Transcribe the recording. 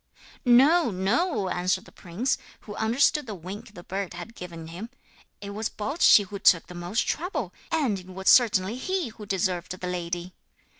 'No, no,' answered the prince, who understood the wink the bird had given him; 'it was Baldschi who took the most trouble, and it was certainly he who deserved the lady.'